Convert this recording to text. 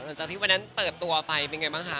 หลังจากที่วันนั้นเปิดตัวไปเป็นไงบ้างคะ